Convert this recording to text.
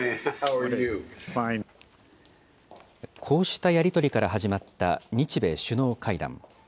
こうしたやり取りから始まった日米首脳会談。